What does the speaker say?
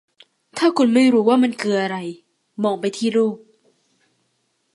ถ้าคุณไม่รู้ว่ามันคืออะไร มองไปที่รูป